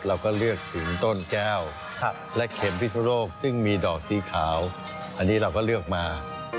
เราก็เลือกถึงต้นแก้วและเข็มพิสุโรคซึ่งมีดอกสีขาวอันนี้เราก็เลือกมา